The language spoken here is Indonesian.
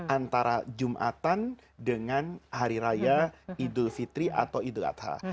antara jumatan dengan hari raya idul fitri atau idul adha